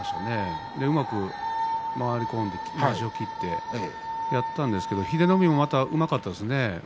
うまく回り込んでまわしを切ってやったんですが英乃海もまたうまかったですね。